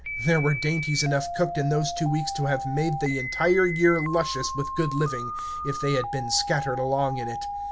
There were dainties enough cooked in those two weeks to have made the entire year luscious with good living, if they had been scattered along in it.